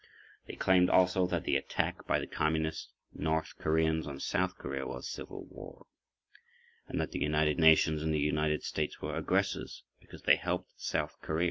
They claimed also that the attack by the Communist north Koreans on south Korea was "civil war," and that the United Nations and the United States were "aggressors" because they helped south Korea.